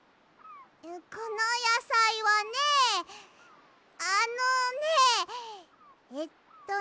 このやさいはねあのねえっとね。